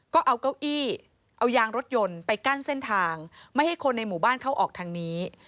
ก็เอาเก้าอี้เอายางรถยนต์ไปกั้นเส้นทางไม่ให้คนในหมู่บ้านเข้าออกทางนี้